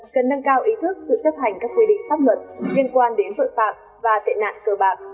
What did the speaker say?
cần nâng cao ý thức tự chấp hành các quy định pháp luật liên quan đến tội phạm và tệ nạn cờ bạc